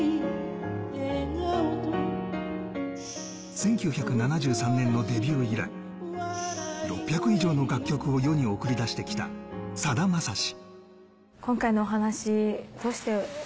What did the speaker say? １９７３年のデビュー以来、６００以上の楽曲を世に送り出してきた、さだまさし。